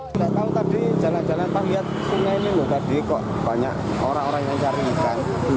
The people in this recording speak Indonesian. tidak tahu tadi jalan jalan tak lihat sungai ini loh tadi kok banyak orang orang yang cari ikan